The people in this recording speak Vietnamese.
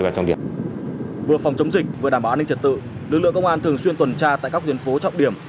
lực lượng công an thường xuyên tuần tra tại các tuyến phố trọng điểm